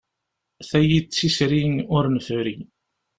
Tagi d tisri ur nefri.